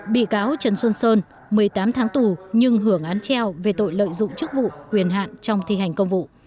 bị cáo trần xuân sơn một mươi tám tháng tù nhưng hưởng án treo về tội lợi dụng chức vụ quyền hạn trong thi hành công vụ